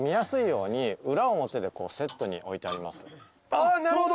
あなるほど。